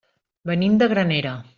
Venim de Granera.